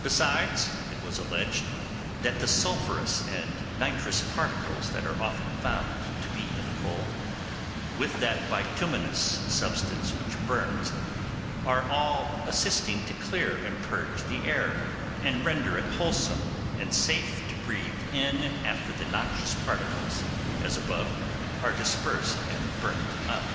Besides, it was alleged that the sulphurous and nitrous particles that are often found to be in the coal, with that bituminous substance which burns, are all assisting to clear and purge the air, and render it wholesome and safe to breathe in after the noxious particles, as above, are dispersed and burnt up.